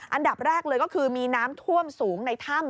อันดับแรกเลยก็คือมีน้ำท่วมสูงในถ้ำ